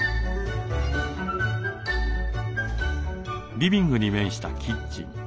リビングに面したキッチン。